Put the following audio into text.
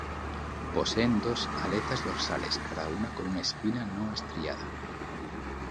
Poseen dos aletas dorsales, cada una con una espina no estriada.